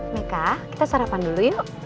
meka kita sarapan dulu yuk